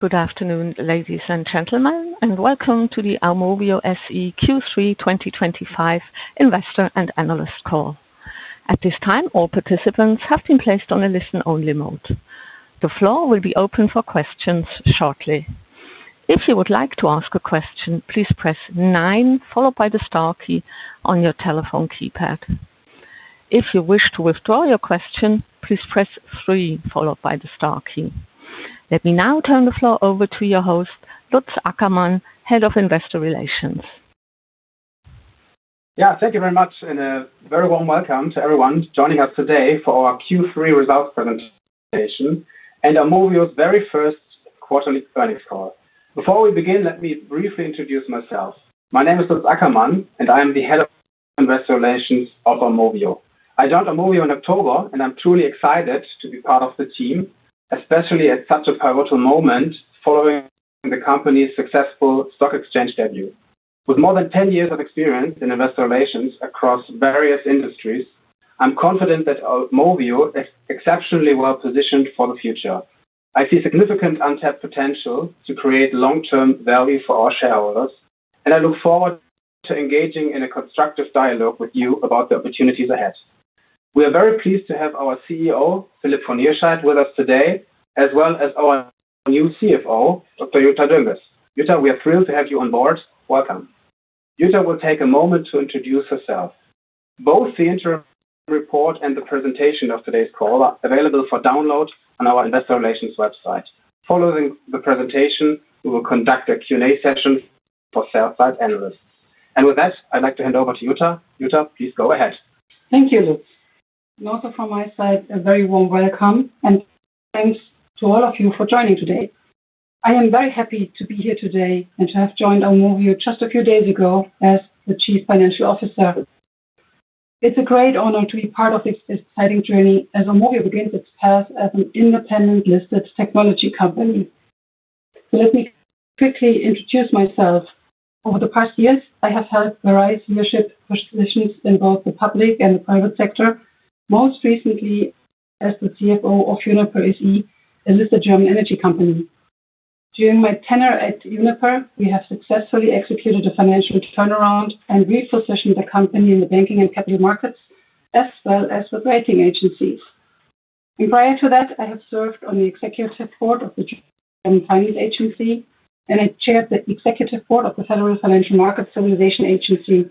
Good afternoon, ladies and gentlemen, and welcome to the Aumovio SE Q3 2025 Investor and Analyst Call. At this time, all participants have been placed on a listen-only mode. The floor will be open for questions shortly. If you would like to ask a question, please press nine followed by the star key on your telephone keypad. If you wish to withdraw your question, please press three followed by the star key. Let me now turn the floor over to your host, Lutz Ackermann, Head of Investor Relations. Yeah, thank you very much, and a very warm welcome to everyone joining us today for our Q3 results presentation and Aumovio's very first quarterly earnings call. Before we begin, let me briefly introduce myself. My name is Lutz Ackermann, and I am the Head of Investor Relations of Aumovio. I joined Aumovio in October, and I'm truly excited to be part of the team, especially at such a pivotal moment following the company's successful stock exchange debut. With more than 10 years of experience in investor relations across various industries, I'm confident that Aumovio is exceptionally well positioned for the future. I see significant untapped potential to create long-term value for our shareholders, and I look forward to engaging in a constructive dialogue with you about the opportunities ahead. We are very pleased to have our CEO, Philipp von Hirschheydt, with us today, as well as our new CFO, Dr. Jutta Dönges. Jutta, we are thrilled to have you on board. Welcome. Jutta will take a moment to introduce herself. Both the interim report and the presentation of today's call are available for download on our Investor Relations website. Following the presentation, we will conduct a Q&A session for sales side analysts. With that, I'd like to hand over to Jutta. Jutta, please go ahead. Thank you, Lutz. Also from my side, a very warm welcome, and thanks to all of you for joining today. I am very happy to be here today and to have joined Aumovio just a few days ago as the Chief Financial Officer. It is a great honor to be part of this exciting journey as Aumovio begins its path as an independent listed technology company. Let me quickly introduce myself. Over the past years, I have held various leadership positions in both the public and the private sector, most recently as the CFO of Uniper SE, a listed German energy company. During my tenure at Uniper, we have successfully executed a financial turnaround and repositioned the company in the banking and capital markets, as well as with rating agencies. Prior to that, I have served on the Executive Board of the German Finance Agency, and I chaired the Executive Board of the Federal Financial Market Stabilization Agency.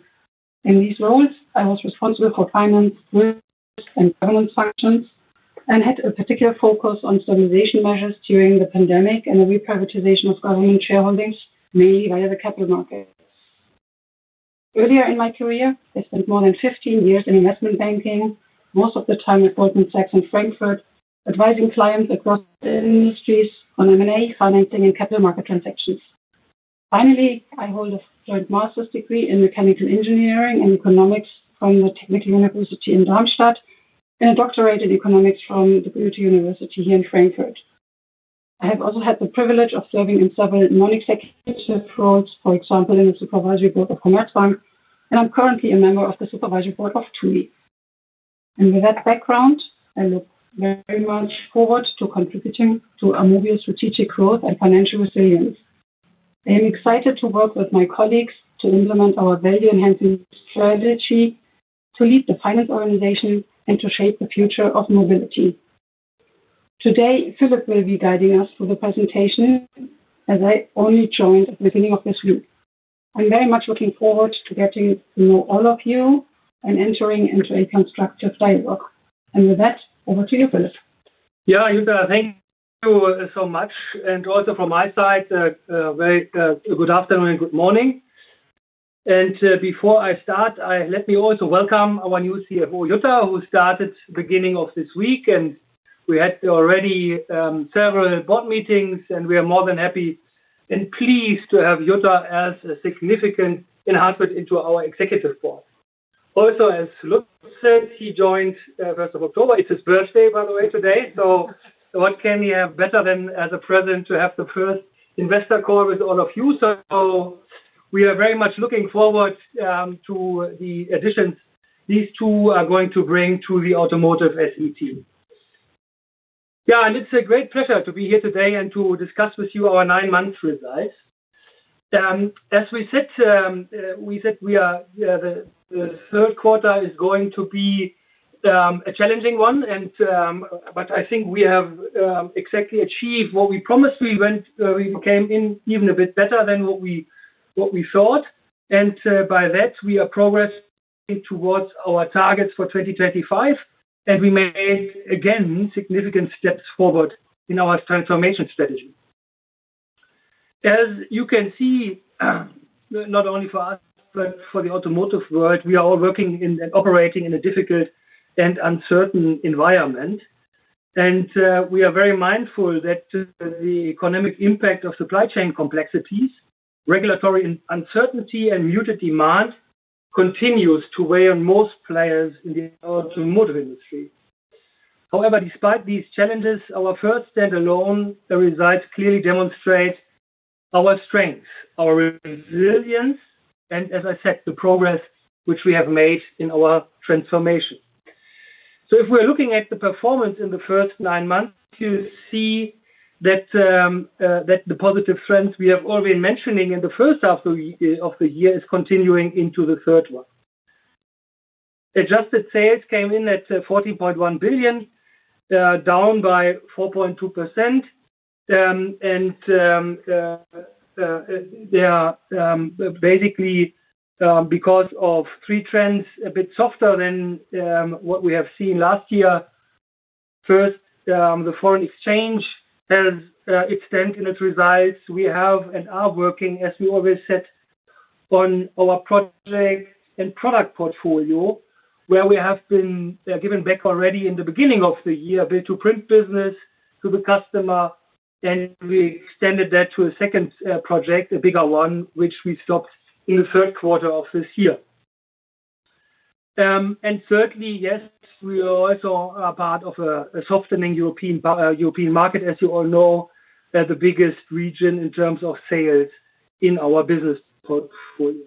In these roles, I was responsible for finance, risk, and governance functions, and had a particular focus on stabilization measures during the pandemic and the reprivatization of government shareholdings, mainly via the capital markets. Earlier in my career, I spent more than 15 years in investment banking, most of the time at Goldman Sachs and Frankfurt, advising clients across industries on M&A, financing, and capital market transactions. Finally, I hold a joint master's degree in mechanical engineering and economics from the Technical University in Darmstadt and a doctorate in economics from the Goethe University here in Frankfurt. I have also had the privilege of serving in several non-executive roles, for example, in the Supervisory Board of Commerzbank, and I'm currently a member of the Supervisory Board of TUI. With that background, I look very much forward to contributing to Aumovio's strategic growth and financial resilience. I am excited to work with my colleagues to implement our value-enhancing strategy, to lead the finance organization, and to shape the future of mobility. Today, Philipp will be guiding us through the presentation, as I only joined at the beginning of this week. I'm very much looking forward to getting to know all of you and entering into a constructive dialogue. With that, over to you, Philipp. Yeah, Jutta, thank you so much. Also from my side, a very good afternoon and good morning. Before I start, let me also welcome our new CFO, Jutta, who started at the beginning of this week, and we had already several board meetings, and we are more than happy and pleased to have Jutta as a significant enhancement into our executive board. Also, as Lutz said, she joined on October 1st. It's her birthday, by the way, today. What can she have better than as a present to have the first investor call with all of you? We are very much looking forward to the additions these two are going to bring to the Aumovio SE team. Yeah, and it is a great pleasure to be here today and to discuss with you our nine-month results. As we said, we said the third quarter is going to be a challenging one, but I think we have exactly achieved what we promised. We became even a bit better than what we thought. By that, we are progressing towards our targets for 2025, and we made, again, significant steps forward in our transformation strategy. As you can see, not only for us, but for the automotive world, we are all working and operating in a difficult and uncertain environment. We are very mindful that the economic impact of supply chain complexities, regulatory uncertainty, and muted demand continues to weigh on most players in the automotive industry. However, despite these challenges, our first standalone results clearly demonstrate our strength, our resilience, and, as I said, the progress which we have made in our transformation. If we're looking at the performance in the first nine months, you see that the positive trends we have already been mentioning in the first half of the year are continuing into the third one. Adjusted sales came in at 14.1 billion, down by 4.2%. They are basically because of three trends a bit softer than what we have seen last year. First, the foreign exchange has its dent in its results. We have and are working, as we always said, on our project and product portfolio, where we have been giving back already in the beginning of the year a bit to print business to the customer, and we extended that to a second project, a bigger one, which we stopped in the third quarter of this year. Thirdly, yes, we also are part of a softening European market, as you all know, the biggest region in terms of sales in our business portfolio.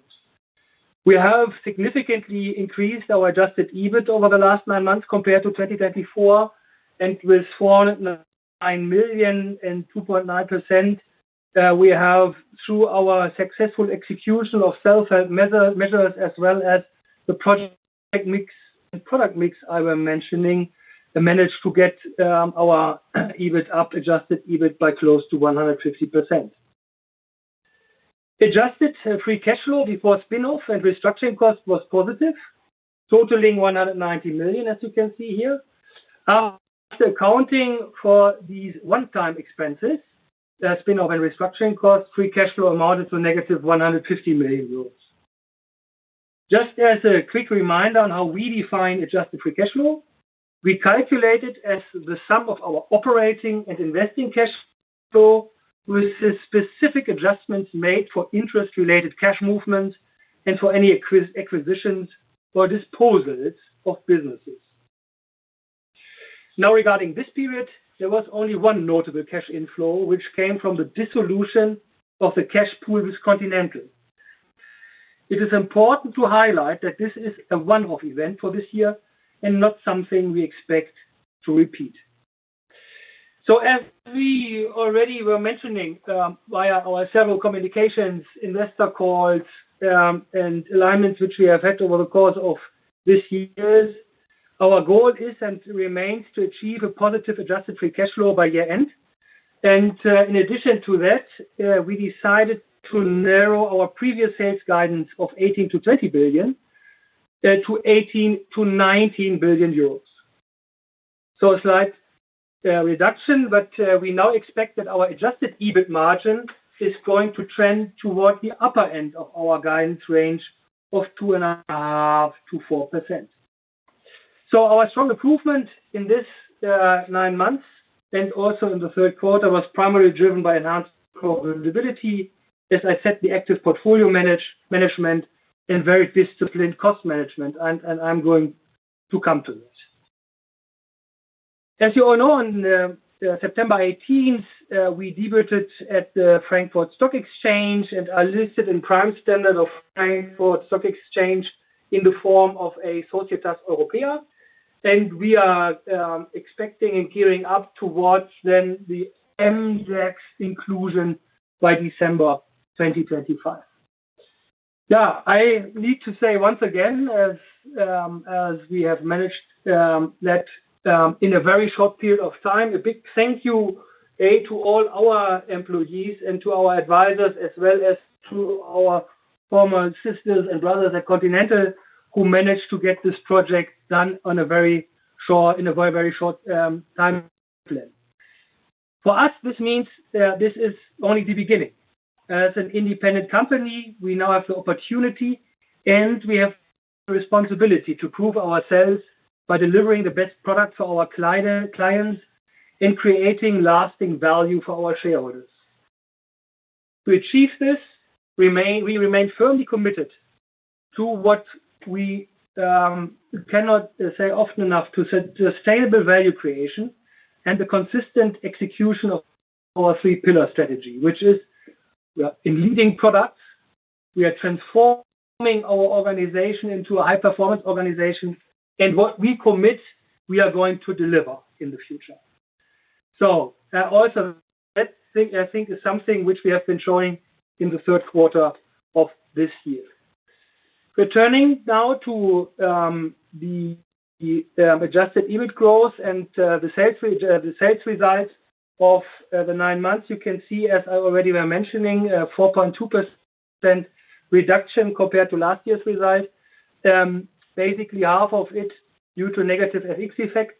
We have significantly increased our adjusted EBIT over the last nine months compared to 2024, and with 409 million and 2.9%, we have, through our successful execution of self-help measures, as well as the project mix and product mix I was mentioning, managed to get our EBIT up, adjusted EBIT by close to 150%. Adjusted free cash flow before spinoff and restructuring cost was positive, totaling 190 million, as you can see here. After accounting for these one-time expenses, spinoff and restructuring cost, free cash flow amounted to -150 million euros. Just as a quick reminder on how we define adjusted free cash flow, we calculate it as the sum of our operating and investing cash flow with specific adjustments made for interest-related cash movements and for any acquisitions or disposals of businesses. Now, regarding this period, there was only one notable cash inflow, which came from the dissolution of the cash pool with Continental. It is important to highlight that this is a one-off event for this year and not something we expect to repeat. As we already were mentioning via our several communications, investor calls, and alignments which we have had over the course of this year, our goal is and remains to achieve a positive adjusted free cash flow by year-end. In addition to that, we decided to narrow our previous sales guidance of 18 billion-20 billion to 18 billion-19 billion euros. A slight reduction, but we now expect that our adjusted EBIT margin is going to trend toward the upper end of our guidance range of 2.5%-4%. Our strong improvement in these nine months and also in the third quarter was primarily driven by enhanced profitability, as I said, the active portfolio management, and very disciplined cost management. I'm going to come to that. As you all know, on September 18th, we debuted at the Frankfurt Stock Exchange and are listed in Prime Standard of Frankfurt Stock Exchange in the form of a Societas Europaea. We are expecting and gearing up towards then the MDAX inclusion by December 2025. Yeah, I need to say once again, as we have managed that in a very short period of time, a big thank you to all our employees and to our advisors, as well as to our former sisters and brothers at Continental, who managed to get this project done in a very short time span. For us, this means this is only the beginning. As an independent company, we now have the opportunity and we have the responsibility to prove ourselves by delivering the best product for our clients and creating lasting value for our shareholders. To achieve this, we remain firmly committed to what we cannot say often enough, to sustainable value creation and the consistent execution of our three-pillar strategy, which is in leading products. We are transforming our organization into a high-performance organization, and what we commit, we are going to deliver in the future. I think it's something which we have been showing in the third quarter of this year. Returning now to the adjusted EBIT growth and the sales results of the nine months, you can see, as I already was mentioning, a 4.2% reduction compared to last year's result, basically half of it due to negative FX effects,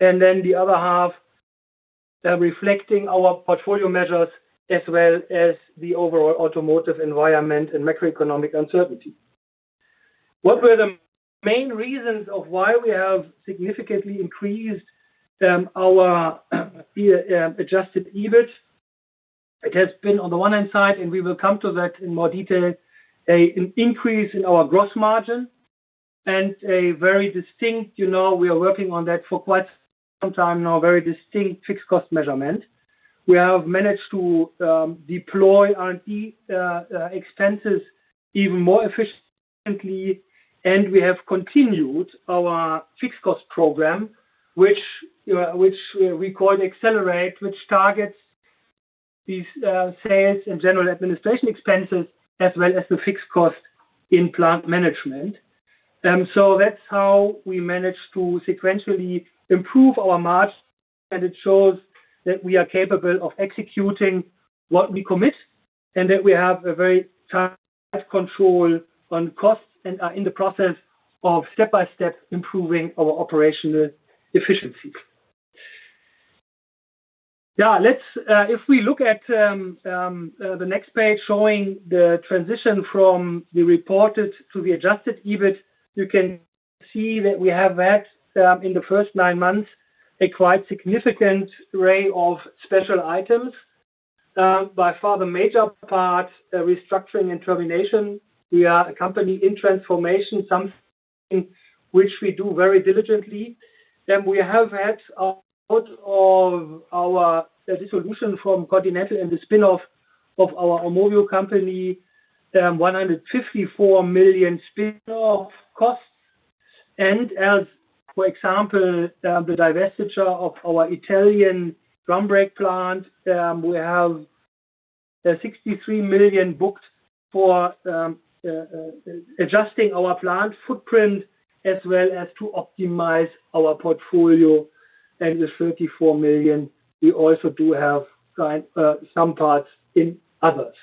and then the other half reflecting our portfolio measures, as well as the overall automotive environment and macroeconomic uncertainty. What were the main reasons of why we have significantly increased our adjusted EBIT? It has been, on the one hand side, and we will come to that in more detail, an increase in our gross margin and a very distinct, you know, we are working on that for quite some time now, very distinct fixed cost measurement. We have managed to deploy our expenses even more efficiently, and we have continued our fixed cost program, which we call Accelerate, which targets these sales and general administration expenses, as well as the fixed cost in plant management. That is how we managed to sequentially improve our margin, and it shows that we are capable of executing what we commit and that we have a very tight control on costs and are in the process of step-by-step improving our operational efficiency. Yeah, if we look at the next page showing the transition from the reported to the adjusted EBIT, you can see that we have had, in the first nine months, a quite significant array of special items. By far, the major part, restructuring and termination, we are a company in transformation, something which we do very diligently. We have had a lot of our dissolution from Continental and the spinoff of our Aumovio company, 154 million spinoff costs. For example, the divestiture of our Italian drum brake plant, we have 63 million booked for adjusting our plant footprint, as well as to optimize our portfolio. The 34 million, we also do have some parts in others.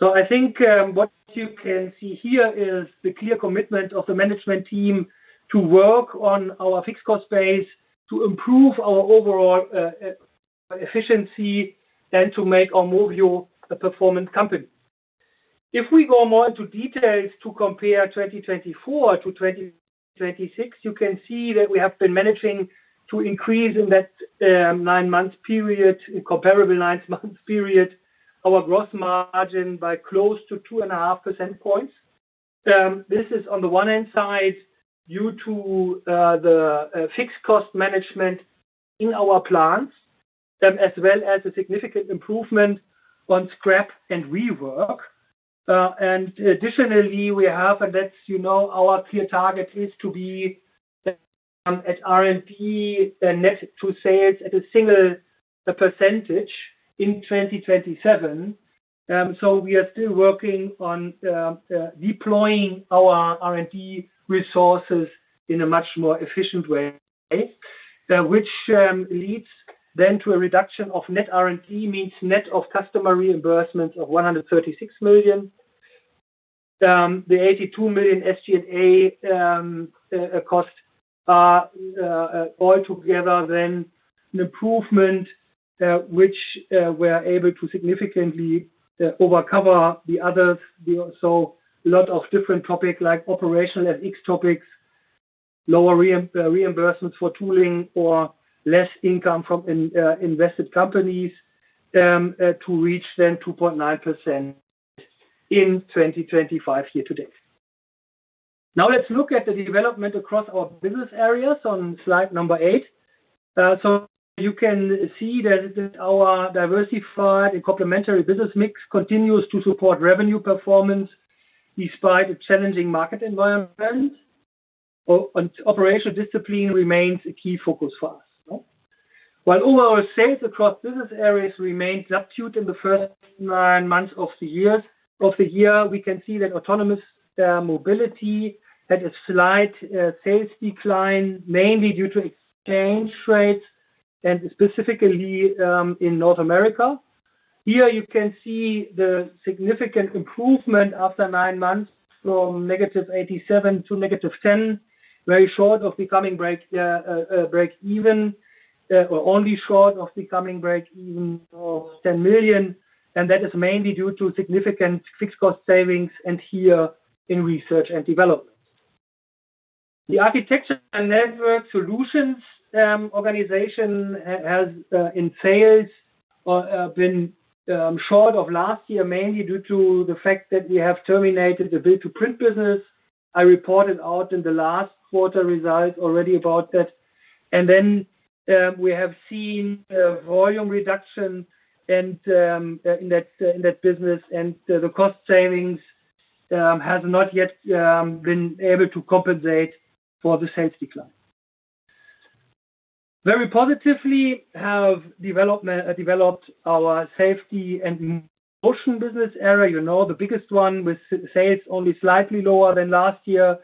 I think what you can see here is the clear commitment of the management team to work on our fixed cost base to improve our overall efficiency and to make Aumovio a performant company. If we go more into details to compare 2024-2026, you can see that we have been managing to increase in that nine-month period, comparable nine-month period, our gross margin by close to 2.5 percentage points. This is, on the one hand side, due to the fixed cost management in our plants, as well as a significant improvement on scrap and rework. Additionally, we have, and that's, you know, our clear target is to be at R&D net to sales at a single percentage in 2027. We are still working on deploying our R&D resources in a much more efficient way, which leads then to a reduction of net R&D, means net of customer reimbursements of 136 million. The 82 million SG&A costs are all together then an improvement, which we are able to significantly overcome the others. A lot of different topics like operational FX topics, lower reimbursements for tooling, or less income from invested companies to reach then 2.9% in 2025 year-to-date. Now, let's look at the development across our business areas on slide number eight. You can see that our diversified and complementary business mix continues to support revenue performance despite a challenging market environment. Operational discipline remains a key focus for us. While overall sales across business areas remained subdued in the first nine months of the year, we can see that autonomous mobility had a slight sales decline, mainly due to exchange rates and specifically in North America. Here, you can see the significant improvement after nine months from -87 million to -10 million, very short of becoming break-even or only short of becoming break-even of 10 million. That is mainly due to significant fixed cost savings and here in research and development. The architecture and network solutions organization has in sales been short of last year, mainly due to the fact that we have terminated the bid-to-print business. I reported out in the last quarter results already about that. We have seen volume reduction in that business, and the cost savings have not yet been able to compensate for the sales decline. Very positively have developed our Safety and Motion business area, you know, the biggest one with sales only slightly lower than last year.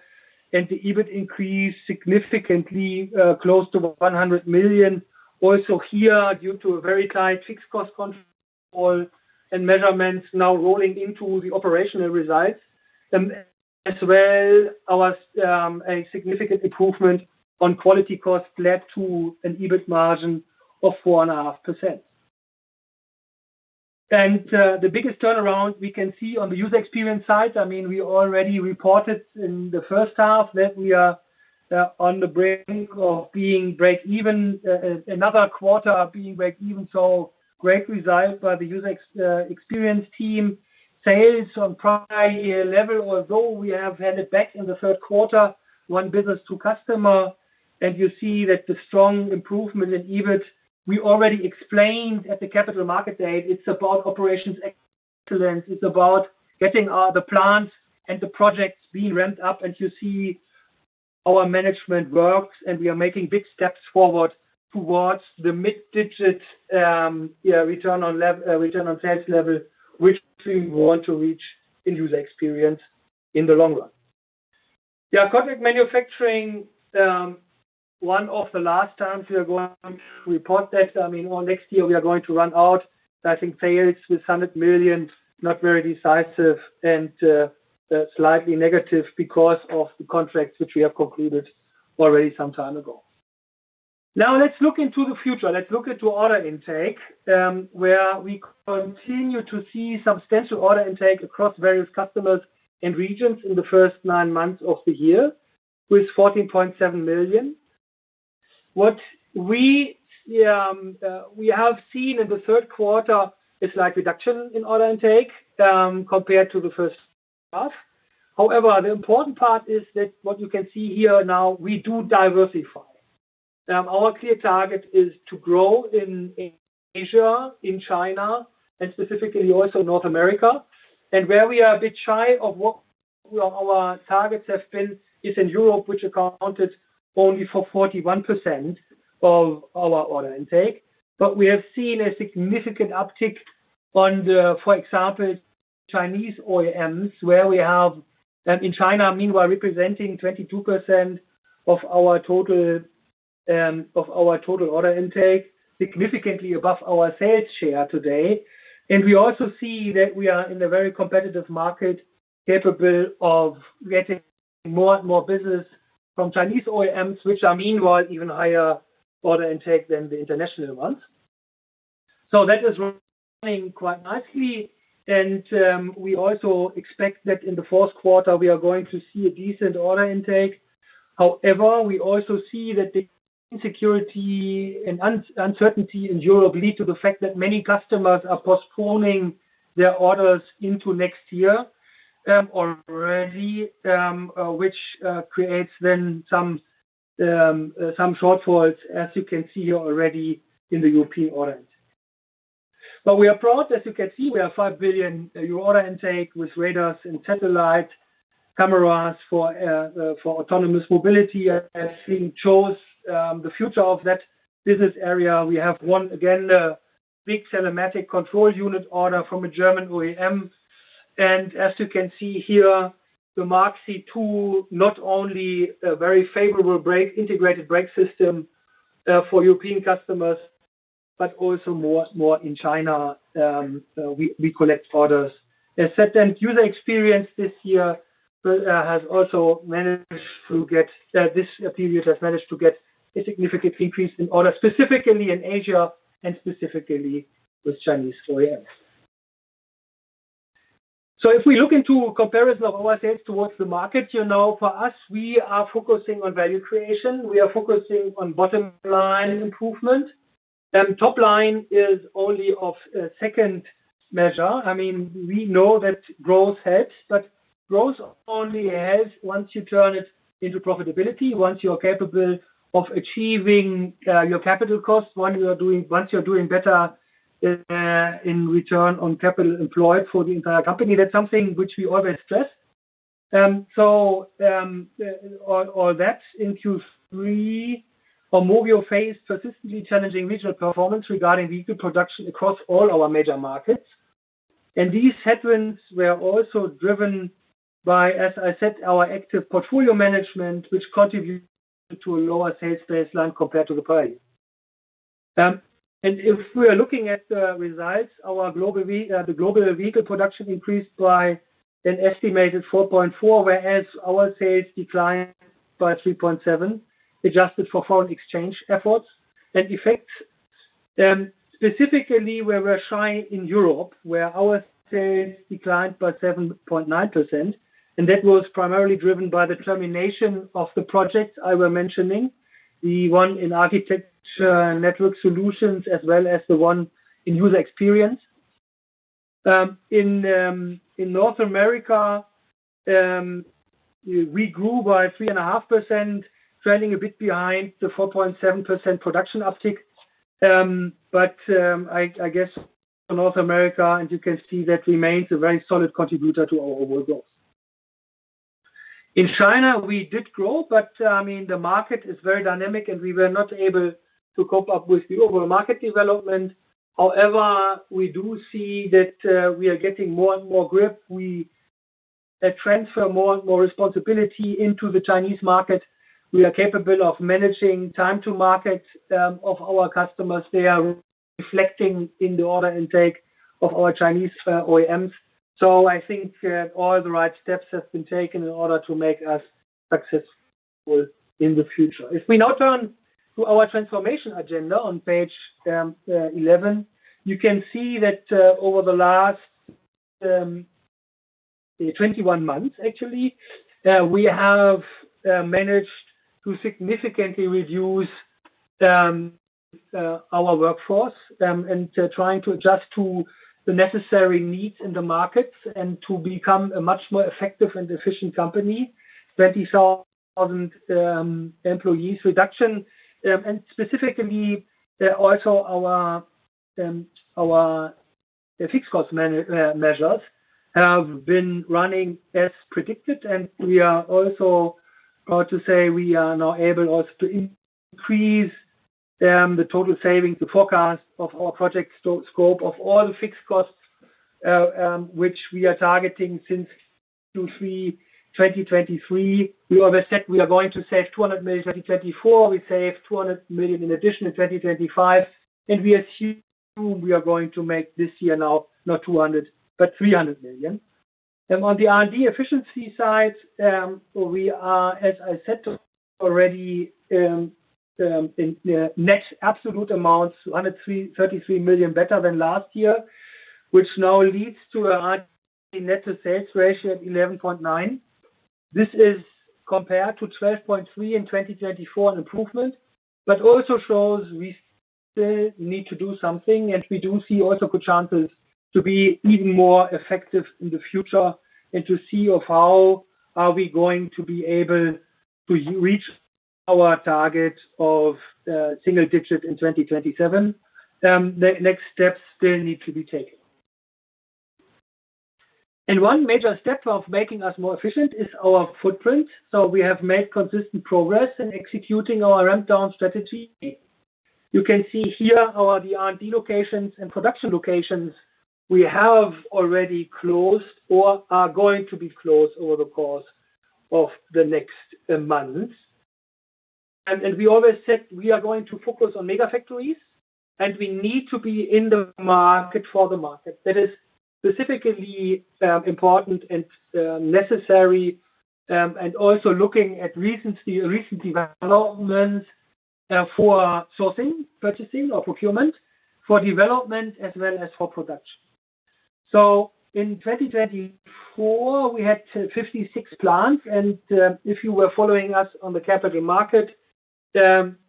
The EBIT increased significantly, close to 100 million. Also here, due to a very tight fixed cost control and measurements now rolling into the operational results, as well as a significant improvement on quality cost, led to an EBIT margin of 4.5%. The biggest turnaround we can see on the User Experience side, I mean, we already reported in the first half that we are on the brink of being break-even, another quarter of being break-even. Great result by the user experience team, sales on prior level, although we have had it back in the third quarter, one business to customer. You see that the strong improvement in EBIT, we already explained at the capital market date, it's about operations excellence. It's about getting the plants and the projects being ramped up. You see our management works, and we are making big steps forward towards the mid-digit return on sales level, which we want to reach in user experience in the long run. Yeah, contract manufacturing, one of the last times we are going to report that, I mean, next year we are going to run out. I think sales with 100 million, not very decisive and slightly negative because of the contracts which we have concluded already some time ago. Now, let's look into the future. Let's look into order intake, where we continue to see substantial order intake across various customers and regions in the first nine months of the year with 14.7 billion. What we have seen in the third quarter is a slight reduction in order intake compared to the first half. However, the important part is that what you can see here now, we do diversify. Our clear target is to grow in Asia, in China, and specifically also North America. Where we are a bit shy of what our targets have been is in Europe, which accounted only for 41% of our order intake. We have seen a significant uptick on the, for example, Chinese OEMs, where we have in China, meanwhile, representing 22% of our total order intake, significantly above our sales share today. We also see that we are in a very competitive market capable of getting more and more business from Chinese OEMs, which are meanwhile even higher order intake than the international ones. That is running quite nicely. We also expect that in the fourth quarter, we are going to see a decent order intake. However, we also see that the insecurity and uncertainty in Europe lead to the fact that many customers are postponing their orders into next year already, which creates then some shortfalls, as you can see here already in the European order intake. We are proud, as you can see, we have 5 billion euro order intake with radars and satellite cameras for autonomous mobility. I think it shows the future of that business area. We have won, again, a big Telematic Control Unit order from a German OEM. As you can see here, the MK C2, not only a very favorable integrated brake system for European customers, but also more in China, we collect orders. As said, and user experience this year has also managed to get this period has managed to get a significant increase in orders, specifically in Asia and specifically with Chinese OEMs. If we look into comparison of our sales towards the market, you know, for us, we are focusing on value creation. We are focusing on bottom-line improvement. Top line is only of second measure. I mean, we know that growth helps, but growth only helps once you turn it into profitability, once you are capable of achieving your capital cost, once you are doing better in return on capital employed for the entire company. That is something which we always stress. All that includes three Aumovio phase, persistently challenging regional performance regarding vehicle production across all our major markets. These headwinds were also driven by, as I said, our active portfolio management, which contributed to a lower sales baseline compared to the prior year. If we are looking at the results, the global vehicle production increased by an estimated 4.4%, whereas our sales declined by 3.7%, adjusted for foreign exchange effects. Specifically, we were shy in Europe, where our sales declined by 7.9%. That was primarily driven by the termination of the projects I was mentioning, the one in architecture network solutions, as well as the one in user experience. In North America, we grew by 3.5%, trailing a bit behind the 4.7% production uptick. I guess for North America, you can see that remains a very solid contributor to our overall growth. In China, we did grow, but I mean, the market is very dynamic, and we were not able to cope up with the overall market development. However, we do see that we are getting more and more grip. We transfer more and more responsibility into the Chinese market. We are capable of managing time to market of our customers. They are reflecting in the order intake of our Chinese OEMs. I think all the right steps have been taken in order to make us successful in the future. If we now turn to our transformation agenda on page 11, you can see that over the last 21 months, actually, we have managed to significantly reduce our workforce and trying to adjust to the necessary needs in the markets and to become a much more effective and efficient company. 20,000 employees reduction. Specifically, also our fixed cost measures have been running as predicted. We are also going to say we are now able also to increase the total savings, the forecast of our project scope of all the fixed costs, which we are targeting since Q3 2023. We always said we are going to save 200 million in 2024. We saved 200 million in addition in 2025. We assume we are going to make this year now not 200 million, but 300 million. On the R&D efficiency side, we are, as I said already, in net absolute amounts, 233 million better than last year, which now leads to an R&D net to sales ratio at 11.9%. This is compared to 12.3% in 2024, an improvement, but also shows we still need to do something. We do see also good chances to be even more effective in the future and to see how we are going to be able to reach our target of single digit in 2027. Next steps still need to be taken. One major step of making us more efficient is our footprint. We have made consistent progress in executing our ramp-down strategy. You can see here our R&D locations and production locations we have already closed or are going to be closed over the course of the next months. We always said we are going to focus on mega factories, and we need to be in the market for the market. That is specifically important and necessary, and also looking at recent developments for sourcing, purchasing, or procurement for development as well as for production. In 2024, we had 56 plants. If you were following us on the capital market,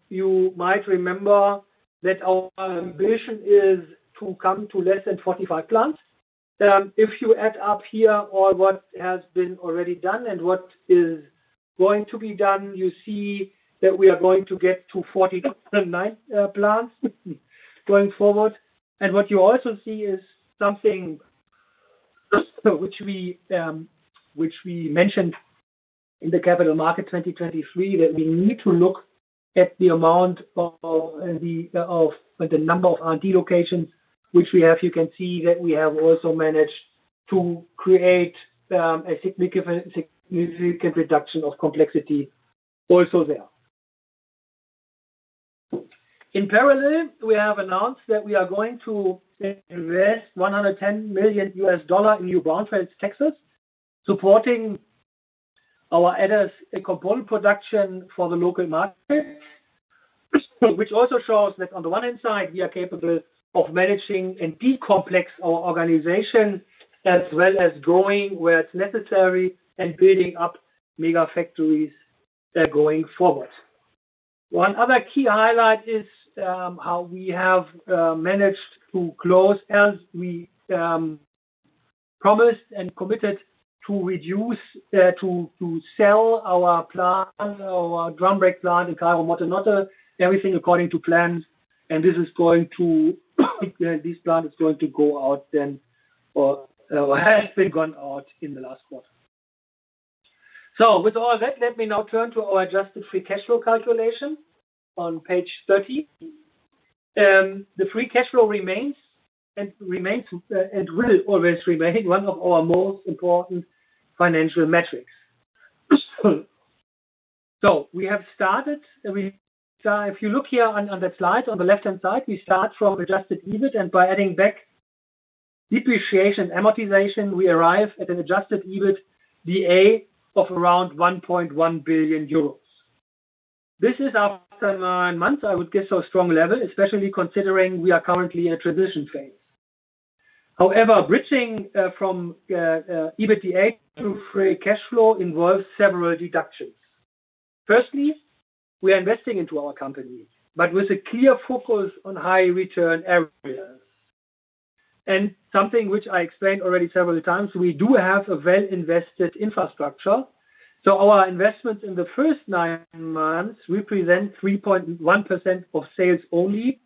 you might remember that our ambition is to come to less than 45 plants. If you add up here all what has been already done and what is going to be done, you see that we are going to get to 49 plants going forward. What you also see is something which we mentioned in the capital market 2023, that we need to look at the amount of the number of R&D locations which we have. You can see that we have also managed to create a significant reduction of complexity also there. In parallel, we have announced that we are going to invest $110 million in New Braunfels, Texas, supporting our address component production for the local market, which also shows that on the one hand side, we are capable of managing and decomplex our organization as well as growing where it's necessary and building up mega factories going forward. One other key highlight is how we have managed to close, as we promised and committed to reduce, to sell our drum brake plant in Cairo Montenotte, everything according to plan. This plant is going to go out then or has been gone out in the last quarter. With all that, let me now turn to our adjusted free cash flow calculation on page 30. The free cash flow remains and remains and will always remain one of our most important financial metrics. We have started, if you look here on that slide on the left-hand side, we start from adjusted EBIT, and by adding back depreciation amortization, we arrive at an adjusted EBITDA of around 1.1 billion euros. This is after nine months, I would guess, of strong level, especially considering we are currently in a transition phase. However, bridging from EBITDA to free cash flow involves several deductions. Firstly, we are investing into our company, but with a clear focus on high return areas. Something which I explained already several times, we do have a well-invested infrastructure. Our investments in the first nine months represent 3.1% of sales only.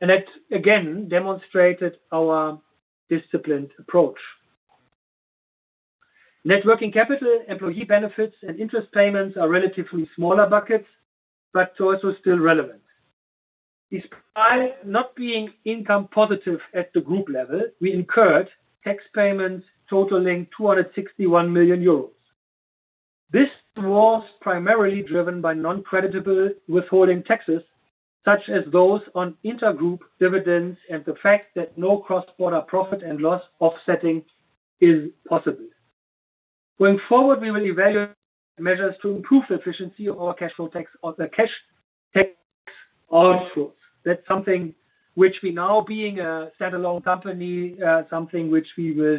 That, again, demonstrated our disciplined approach. Networking capital, employee benefits, and interest payments are relatively smaller buckets, but also still relevant. Despite not being income positive at the group level, we incurred tax payments totaling 261 million euros. This was primarily driven by non-creditable withholding taxes, such as those on intergroup dividends and the fact that no cross-border profit and loss offsetting is possible. Going forward, we will evaluate measures to improve efficiency of our cash tax outflows. That's something which we now, being a standalone company, something which we will,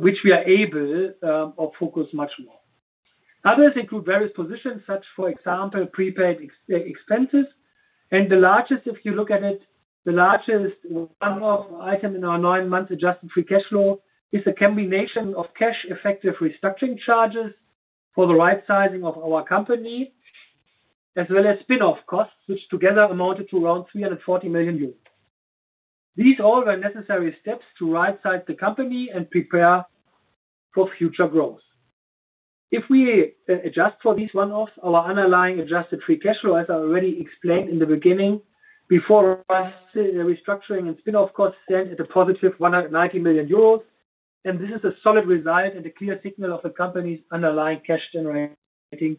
which we are able to focus much more. Others include various positions, such, for example, prepaid expenses. The largest, if you look at it, the largest item in our nine-month adjusted free cash flow is a combination of cash effective restructuring charges for the right sizing of our company, as well as spin-off costs, which together amounted to around 340 million euros. These all were necessary steps to right-size the company and prepare for future growth. If we adjust for these one-offs, our underlying adjusted free cash flow, as I already explained in the beginning, before restructuring and spin-off costs stand at a positive 190 million euros. This is a solid result and a clear signal of the company's underlying cash generating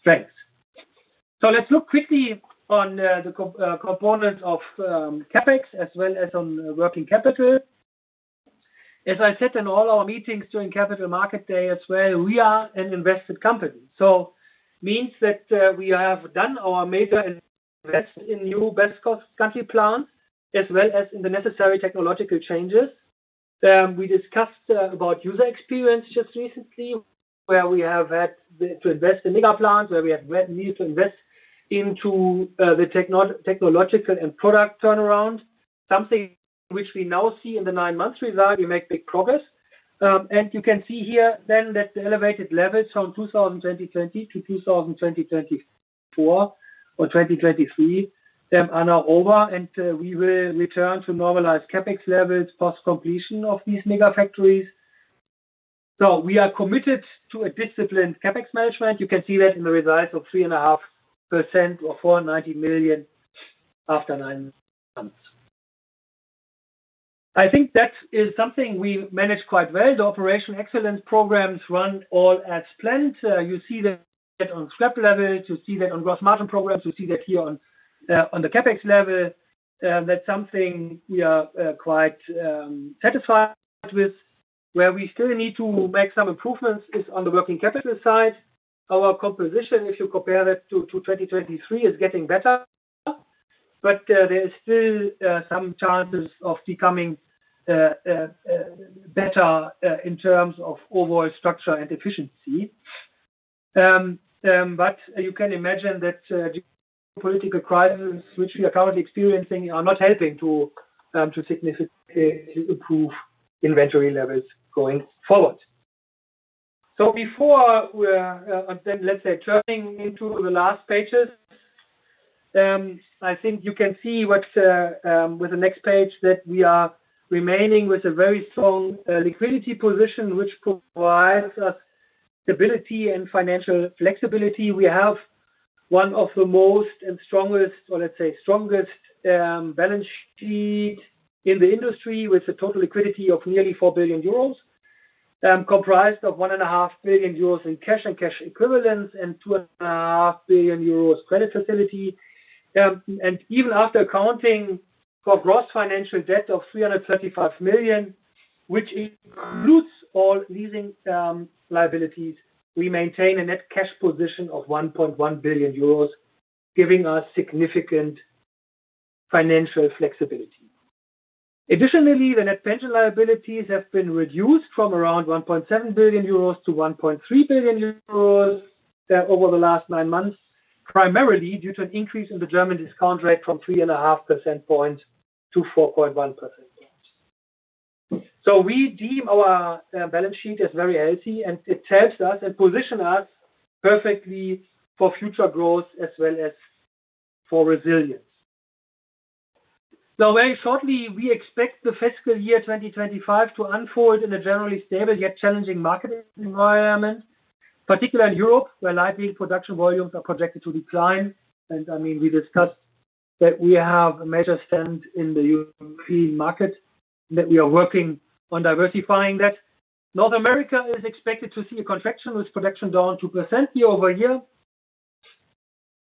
strength. Let's look quickly on the components of CapEx as well as on working capital. As I said in all our meetings during Capital Market Day as well, we are an invested company. It means that we have done our major invest in new best cost country plants as well as in the necessary technological changes. We discussed about user experience just recently, where we have had to invest in mega plants, where we have needed to invest into the technological and product turnaround, something which we now see in the nine-month result. We make big progress. You can see here then that the elevated levels from 2020-2022 to 2020-2024 or 2023 are now over, and we will return to normalized CapEx levels post-completion of these mega factories. We are committed to a disciplined CapEx management. You can see that in the results of 3.5% or EUR 490 million after nine months. I think that is something we manage quite well. The operational excellence programs run all as planned. You see that on scrap level. You see that on gross margin programs. You see that here on the CapEx level. That is something we are quite satisfied with. Where we still need to make some improvements is on the working capital side. Our composition, if you compare that to 2023, is getting better. There are still some chances of becoming better in terms of overall structure and efficiency. You can imagine that geopolitical crises, which we are currently experiencing, are not helping to significantly improve inventory levels going forward. Before we are on, then let's say turning into the last pages, I think you can see with the next page that we are remaining with a very strong liquidity position, which provides us stability and financial flexibility. We have one of the most and strongest, or let's say strongest balance sheet in the industry with a total liquidity of nearly 4 billion euros, comprised of 1.5 billion euros in cash and cash equivalents and 2.5 billion euros credit facility. Even after accounting for gross financial debt of 335 million, which includes all leasing liabilities, we maintain a net cash position of 1.1 billion euros, giving us significant financial flexibility. Additionally, the net pension liabilities have been reduced from around 1.7 billion-1.3 billion euros over the last nine months, primarily due to an increase in the German discount rate from 3.5 percentage points-4.1 percentage points. We deem our balance sheet as very healthy, and it helps us and positions us perfectly for future growth as well as for resilience. Very shortly, we expect the fiscal year 2025 to unfold in a generally stable yet challenging market environment, particularly in Europe, where light vehicle production volumes are projected to decline. I mean, we discussed that we have a major stint in the European market and that we are working on diversifying that. North America is expected to see a contraction with production down 2% year over year.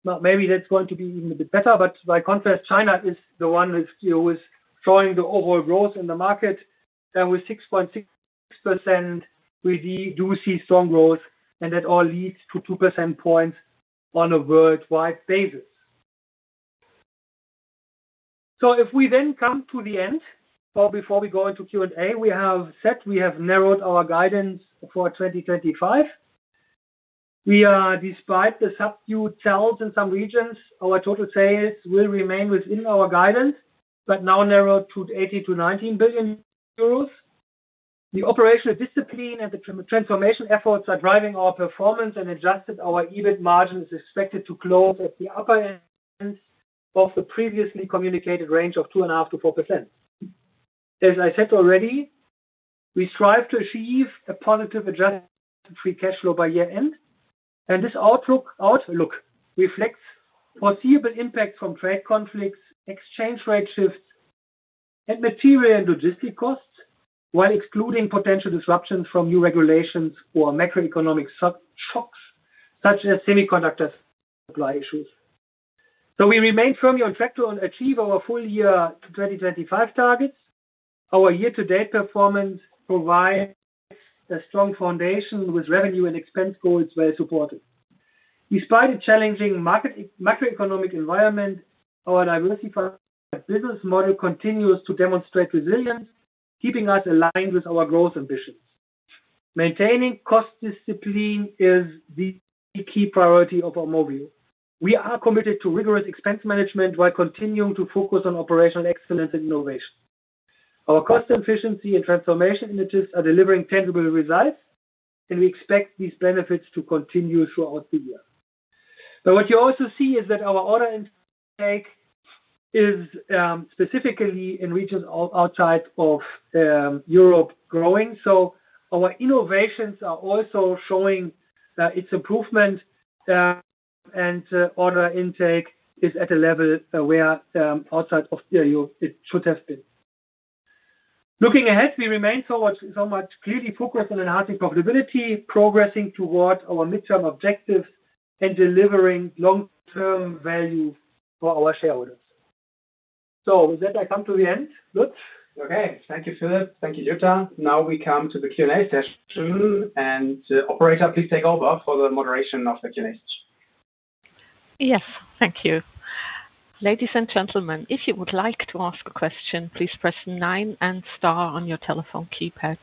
Maybe that's going to be even a bit better. By contrast, China is the one that's always showing the overall growth in the market. With 6.6%, we do see strong growth, and that all leads to 2 percentage points on a worldwide basis. If we then come to the end, or before we go into Q&A, we have said we have narrowed our guidance for 2025. Despite the subdued sales in some regions, our total sales will remain within our guidance, but now narrowed to 18 billion-19 billion euros. The operational discipline and the transformation efforts are driving our performance, and adjusted our EBIT margin is expected to close at the upper end of the previously communicated range of 2.5%-4%. As I said already, we strive to achieve a positive adjusted free cash flow by year-end. This outlook reflects foreseeable impacts from trade conflicts, exchange rate shifts, and material and logistic costs, while excluding potential disruptions from new regulations or macroeconomic shocks such as semiconductor supply issues. We remain firmly on track to achieve our full year 2025 targets. Our year-to-date performance provides a strong foundation with revenue and expense goals well supported. Despite a challenging macroeconomic environment, our diversified business model continues to demonstrate resilience, keeping us aligned with our growth ambitions. Maintaining cost discipline is the key priority of our Aumovio. We are committed to rigorous expense management while continuing to focus on operational excellence and innovation. Our cost efficiency and transformation initiatives are delivering tangible results, and we expect these benefits to continue throughout the year. What you also see is that our order intake is specifically in regions outside of Europe growing. Our innovations are also showing its improvement, and order intake is at a level where outside of Europe it should have been. Looking ahead, we remain so much clearly focused on enhancing profitability, progressing toward our midterm objectives, and delivering long-term value for our shareholders. With that, I come to the end. Lutz? Okay. Thank you, Philipp. Thank you, Jutta. Now we come to the Q&A session. Operator, please take over for the moderation of the Q&A session. Yes, thank you. Ladies and gentlemen, if you would like to ask a question, please press nine and star on your telephone keypad.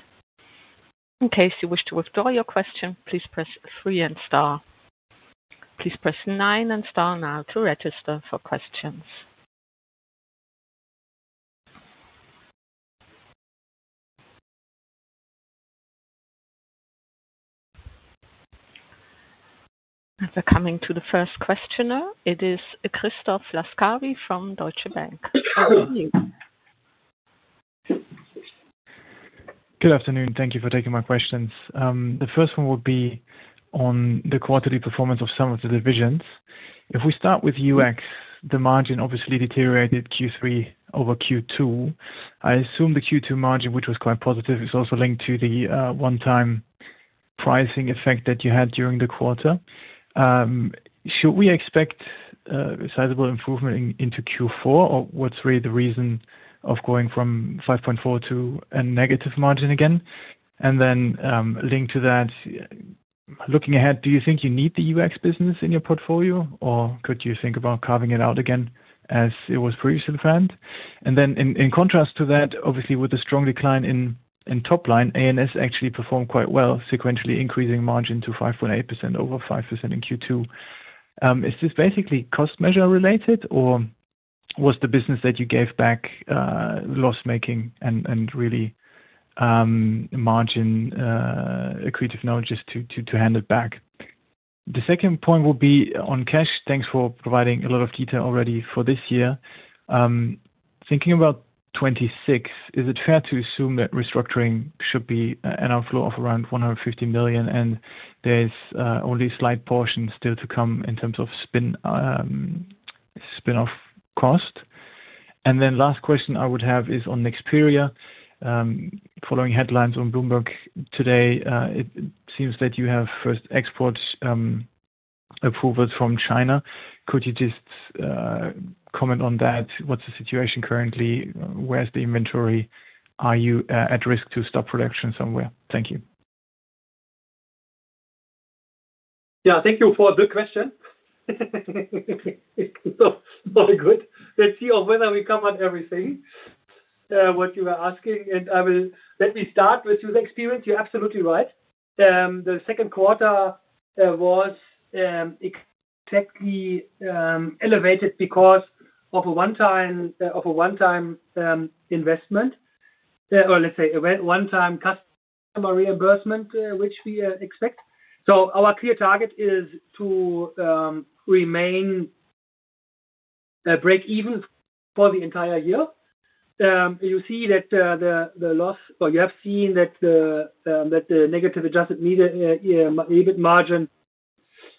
In case you wish to withdraw your question, please press three and star. Please press nine and star now to register for questions. We are coming to the first questioner. It is Christoph Laskawi from Deutsche Bank. Good afternoon. Good afternoon. Thank you for taking my questions. The first one would be on the quarterly performance of some of the divisions. If we start with UX, the margin obviously deteriorated Q3 over Q2. I assume the Q2 margin, which was quite positive, is also linked to the one-time pricing effect that you had during the quarter. Should we expect a sizable improvement into Q4, or what's really the reason of going from 5.4% to a negative margin again? Then linked to that, looking ahead, do you think you need the UX business in your portfolio, or could you think about carving it out again as it was previously planned? In contrast to that, obviously with the strong decline in top line, A&S actually performed quite well, sequentially increasing margin to 5.8% over 5% in Q2. Is this basically cost measure related, or was the business that you gave back loss-making and really margin accretive knowledge just to hand it back? The second point would be on cash. Thanks for providing a lot of detail already for this year. Thinking about 2026, is it fair to assume that restructuring should be an outflow of around 150 million, and there's only a slight portion still to come in terms of spin-off cost? And then last question I would have is on Nexperia. Following headlines on Bloomberg today, it seems that you have first export approvals from China. Could you just comment on that? What's the situation currently? Where's the inventory? Are you at risk to stop production somewhere? Thank you. Yeah, thank you for the question. Very good. Let's see whether we covered everything what you were asking. Let me start with user experience. You're absolutely right. The second quarter was exactly elevated because of a one-time investment, or let's say a one-time customer reimbursement, which we expect. Our clear target is to remain break-even for the entire year. You see that the loss or you have seen that the negative adjusted EBIT margin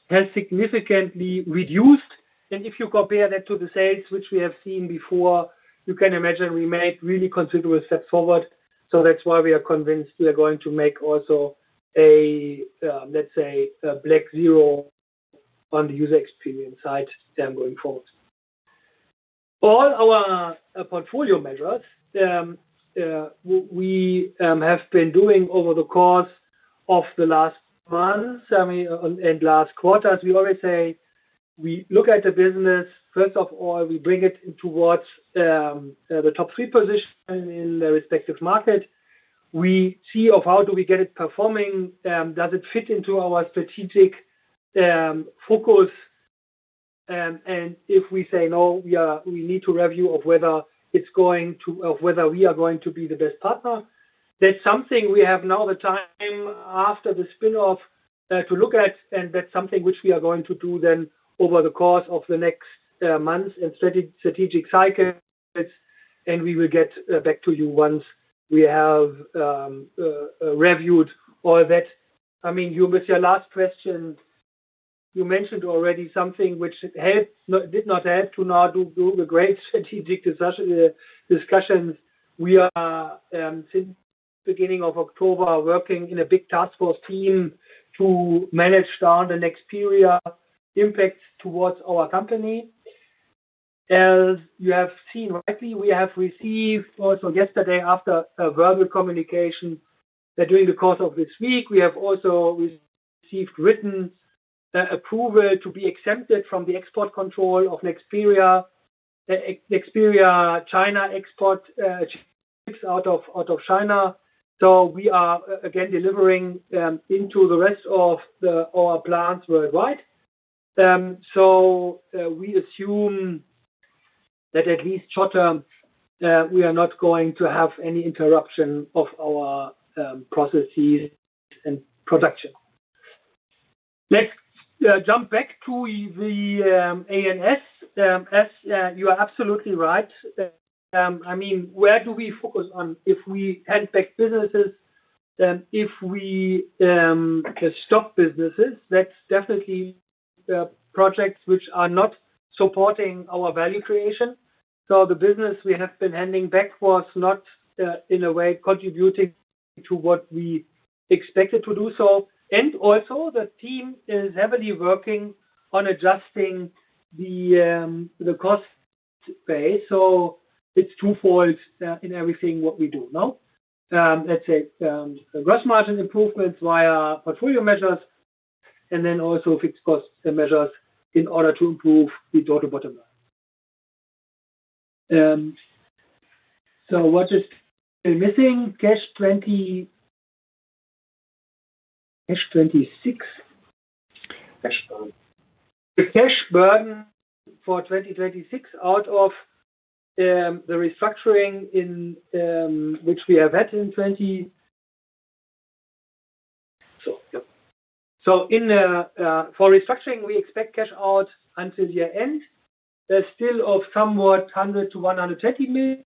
has significantly reduced. If you compare that to the sales which we have seen before, you can imagine we made really considerable steps forward. That is why we are convinced we are going to make also a, let's say, a black zero on the user experience side going forward. All our portfolio measures we have been doing over the course of the last months and last quarters, we always say we look at the business. First of all, we bring it towards the top three position in their respective market. We see how do we get it performing? Does it fit into our strategic focus? If we say no, we need to review whether we are going to be the best partner. That is something we have now the time after the spin-off to look at, and that is something which we are going to do over the course of the next months and strategic cycles. We will get back to you once we have reviewed all that. I mean, with your last question, you mentioned already something which did not help to now do the great strategic discussions. We are, since the beginning of October, working in a big task force team to manage down the Nexperia impacts towards our company. As you have seen rightly, we have received also yesterday, after a verbal communication during the course of this week, we have also received written approval to be exempted from the export control of Nexperia, Nexperia China export ships out of China. We are again delivering into the rest of our plants worldwide. We assume that at least short term, we are not going to have any interruption of our processes and production. Let's jump back to the A&S. You are absolutely right, I mean, where do we focus on if we hand back businesses? If we stop businesses, that's definitely projects which are not supporting our value creation. The business we have been handing back was not in a way contributing to what we expected to do so. Also, the team is heavily working on adjusting the cost space. It is twofold in everything we do. Let's say gross margin improvements via portfolio measures and then also fixed cost measures in order to improve the total bottom line. What is missing? Cash 2026. Cash burden. The cash burden for 2026 out of the restructuring which we have had in 2020. For restructuring, we expect cash out until year-end, still of somewhat 100 million-120 million.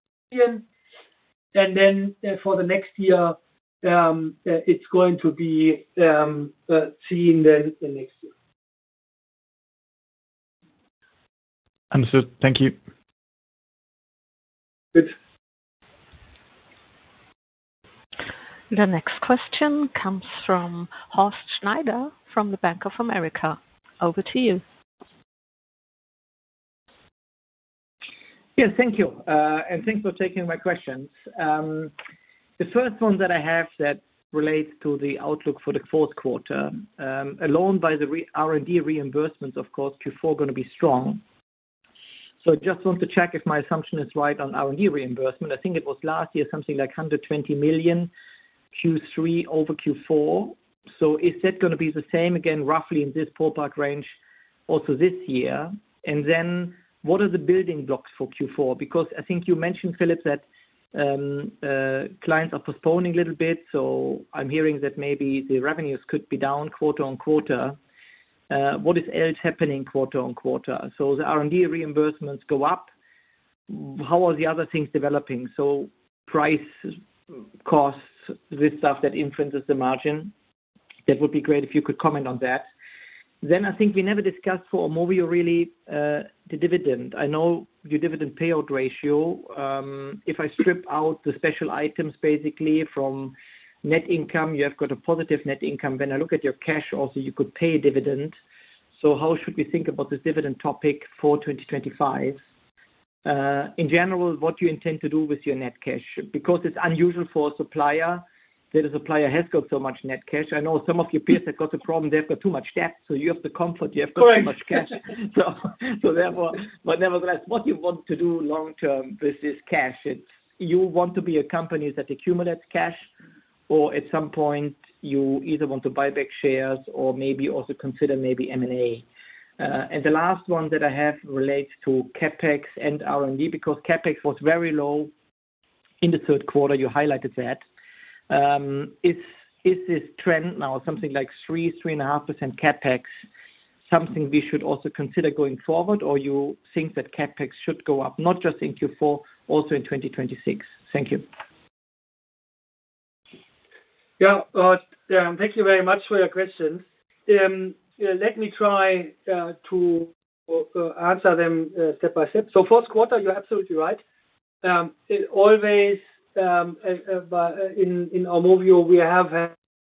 For the next year, it is going to be seen then the next year. Understood. Thank you. Good. The next question comes from Horst Schneider from Bank of America. Over to you. Yes, thank you. Thanks for taking my questions. The first one that I have relates to the outlook for the fourth quarter, alone by the R&D reimbursements, of course, Q4 is going to be strong. I just want to check if my assumption is right on R&D reimbursement. I think it was last year something like 120 million Q3 over Q4. Is that going to be the same again, roughly in this ballpark range also this year? What are the building blocks for Q4? I think you mentioned, Philipp, that clients are postponing a little bit. I'm hearing that maybe the revenues could be down quarter on quarter. What else is happening quarter on quarter? The R&D reimbursements go up. How are the other things developing? Price, costs, this stuff that influences the margin. That would be great if you could comment on that. I think we never discussed for Aumovio really the dividend. I know your dividend payout ratio. If I strip out the special items basically from net income, you have got a positive net income. When I look at your cash, also you could pay a dividend. How should we think about this dividend topic for 2025? In general, what do you intend to do with your net cash? Because it is unusual for a supplier that a supplier has got so much net cash. I know some of your peers have got the problem. They have got too much debt. You have the comfort. You have got too much cash. Nevertheless, what do you want to do long-term with this cash? You want to be a company that accumulates cash, or at some point, you either want to buy back shares or maybe also consider maybe M&A. The last one that I have relates to CapEx and R&D because CapEx was very low in the third quarter. You highlighted that. Is this trend now something like 3%-3.5% CapEx, something we should also consider going forward, or you think that CapEx should go up not just in Q4, also in 2026? Thank you. Yeah. Thank you very much for your questions. Let me try to answer them step by step. Fourth quarter, you're absolutely right. Always in our Aumovio, we have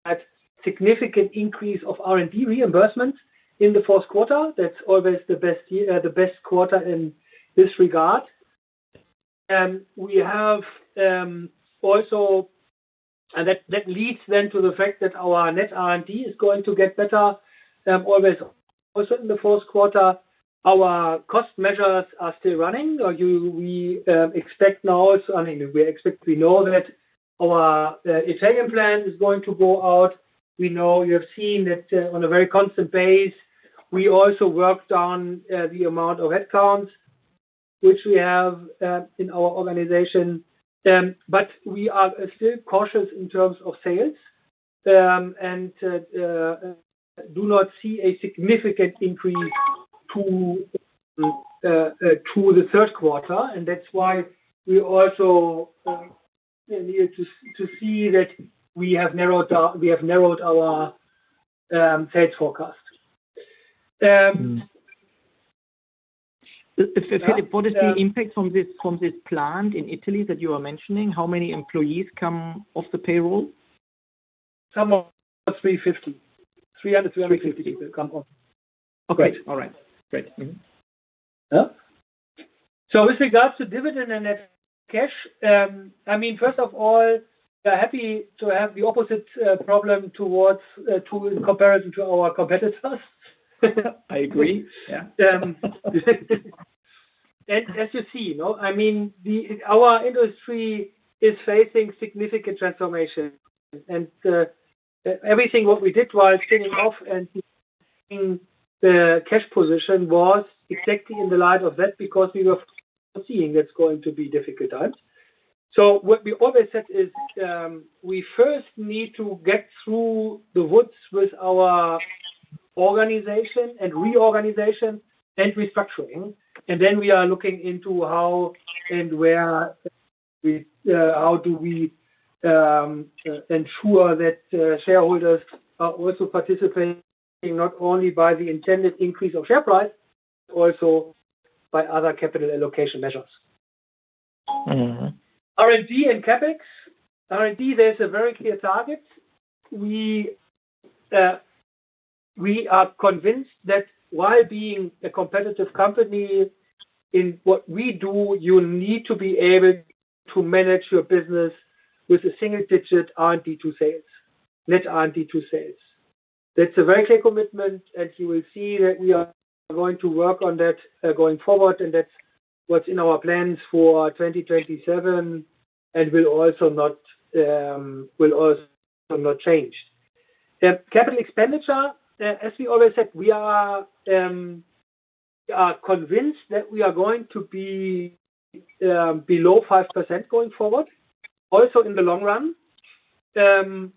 had significant increase of R&D reimbursements in the fourth quarter. That is always the best quarter in this regard. We have also, and that leads then to the fact that our net R&D is going to get better always also in the fourth quarter. Our cost measures are still running. We expect now, I mean, we expect we know that our Italian plant is going to go out. We know you have seen that on a very constant base. We also worked on the amount of headcounts which we have in our organization. We are still cautious in terms of sales and do not see a significant increase to the third quarter. That is why we also needed to see that we have narrowed our sales forecast. Philipp, what is the impact from this plant in Italy that you were mentioning? How many employees come off the payroll? Some 350. 350 people come off. Okay. All right. Great. With regards to dividend and net cash, I mean, first of all, we are happy to have the opposite problem towards in comparison to our competitors. I agree. As you see, I mean, our industry is facing significant transformation. Everything we did while spinning off and the cash position was exactly in the light of that because we were foreseeing that is going to be difficult times. What we always said is we first need to get through the woods with our organization and reorganization and restructuring. Then we are looking into how and where, how do we ensure that shareholders are also participating not only by the intended increase of share price, but also by other capital allocation measures. R&D and CapEx. R&D, there is a very clear target. We are convinced that while being a competitive company in what we do, you need to be able to manage your business with a single-digit R&D to sales, net R&D to sales. That's a very clear commitment, and you will see that we are going to work on that going forward, and that's what's in our plans for 2027 and will also not change. Capital expenditure, as we always said, we are convinced that we are going to be below 5% going forward, also in the long run. That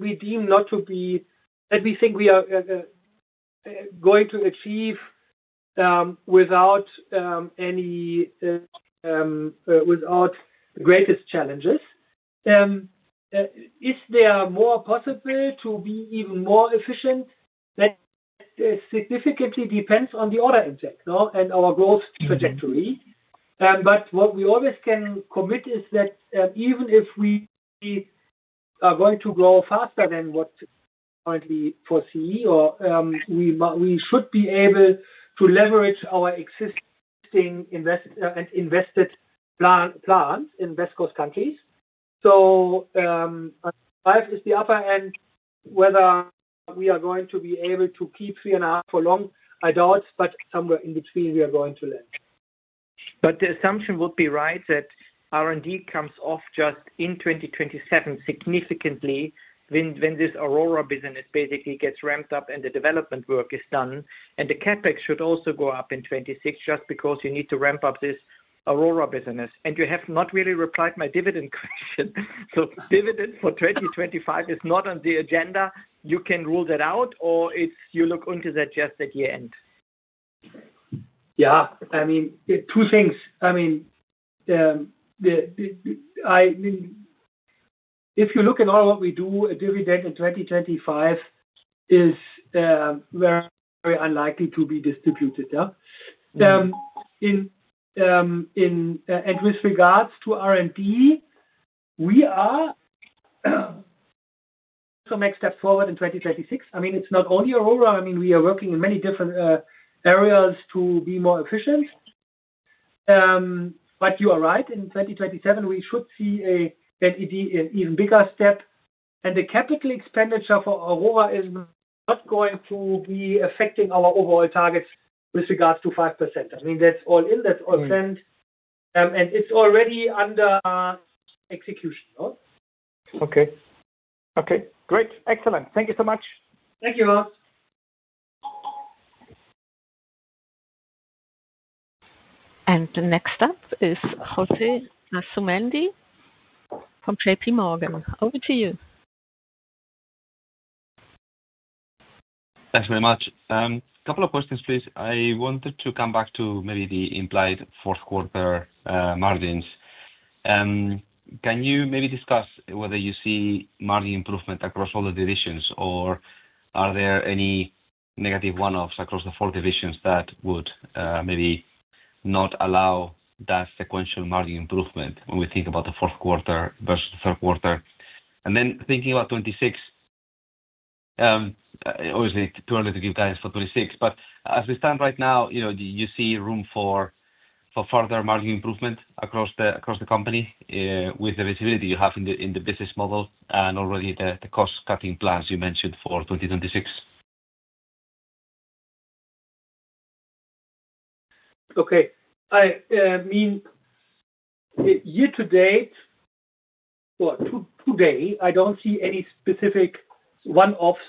we deem not to be that we think we are going to achieve without the greatest challenges. Is there more possible to be even more efficient? That significantly depends on the order index and our growth trajectory. What we always can commit is that even if we are going to grow faster than what we currently foresee, we should be able to leverage our existing and invested plants in West Coast countries. Life is the upper end whether we are going to be able to keep three and a half for long, I doubt, but somewhere in between, we are going to land. The assumption would be right that R&D comes off just in 2027 significantly when this Aurora business basically gets ramped up and the development work is done. CapEx should also go up in 2026 just because you need to ramp up this Aurora business. You have not really replied to my dividend question. Dividend for 2025 is not on the agenda. You can rule that out, or you look into that just at year-end? Yeah. I mean, two things. I mean, if you look at all what we do, a dividend in 2025 is very unlikely to be distributed. With regards to R&D, we are also making steps forward in 2026. I mean, it's not only Aurora. I mean, we are working in many different areas to be more efficient. You are right. In 2027, we should see an even bigger step. The capital expenditure for Aurora is not going to be affecting our overall targets with regards to 5%. I mean, that's all in. That's all planned. It is already under execution. Okay. Okay. Great. Excellent. Thank you so much. Thank you, Horst. The next up is José Asumendi from JPMorgan. Over to you. Thanks very much. A couple of questions, please. I wanted to come back to maybe the implied fourth quarter margins. Can you maybe discuss whether you see margin improvement across all the divisions, or are there any negative one-offs across the four divisions that would maybe not allow that sequential margin improvement when we think about the fourth quarter versus the third quarter? Thinking about 2026, obviously, too early to give guidance for 2026. As we stand right now, do you see room for further margin improvement across the company with the visibility you have in the business model and already the cost-cutting plans you mentioned for 2026? I mean, year-to-date, today, I do not see any specific one-offs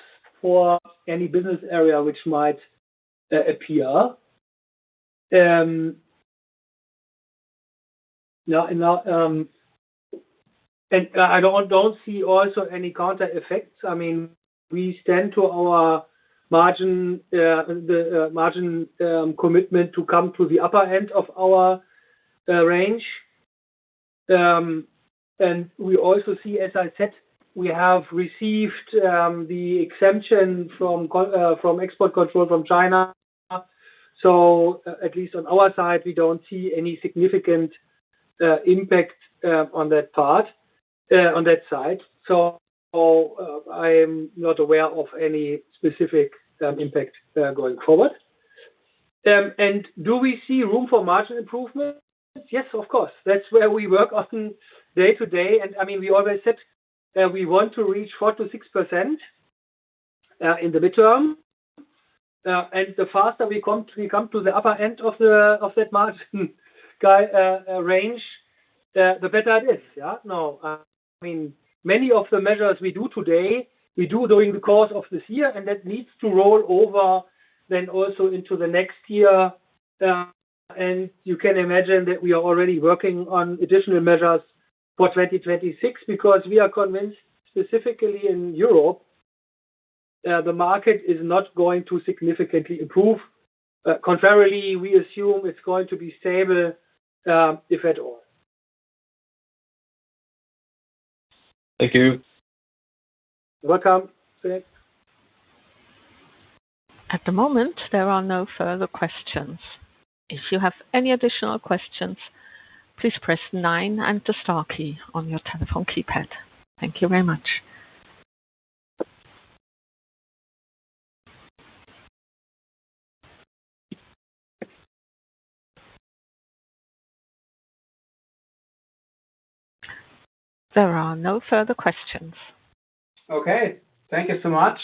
for any business area which might appear. I do not see also any counter effects. I mean, we stand to our margin commitment to come to the upper end of our range. We also see, as I said, we have received the exemption from export control from China. At least on our side, we do not see any significant impact on that part, on that side. I am not aware of any specific impact going forward. Do we see room for margin improvement? Yes, of course. That's where we work often day-to-day. I mean, we always said we want to reach 4%-6% in the midterm. The faster we come to the upper end of that margin range, the better it is. Yeah. No. I mean, many of the measures we do today, we do during the course of this year, and that needs to roll over then also into the next year. You can imagine that we are already working on additional measures for 2026 because we are convinced specifically in Europe, the market is not going to significantly improve. Contrarily, we assume it's going to be stable, if at all. Thank you. You're welcome. At the moment, there are no further questions. If you have any additional questions, please press 9 and the star key on your telephone keypad. Thank you very much. There are no further questions. Okay. Thank you so much,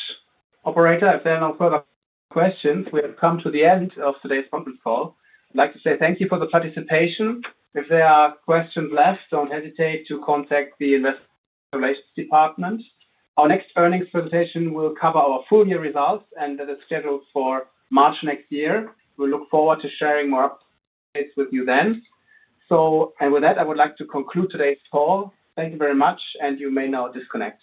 operator. If there are no further questions, we have come to the end of today's conference call. I'd like to say thank you for the participation. If there are questions left, don't hesitate to contact the investor relations department. Our next earnings presentation will cover our full year results, and that is scheduled for March next year. We look forward to sharing more updates with you then. With that, I would like to conclude today's call. Thank you very much, and you may now disconnect.